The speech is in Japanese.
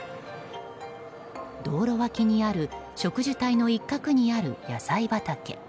道路脇にある植樹帯の一角にある野菜畑。